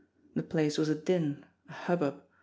The place was a din, a hubbub.